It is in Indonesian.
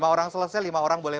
lima orang selesai lima orang boleh